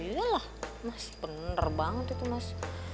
yalah mas bener banget itu mas